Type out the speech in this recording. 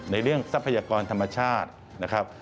เรื่องทรัพยากรธรรมชาตินะครับ